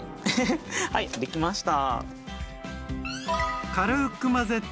はいできました。